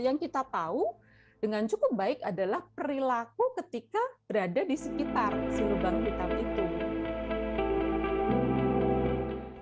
yang kita tahu dengan cukup baik adalah perilaku ketika berada di sekitar lubang hitam itu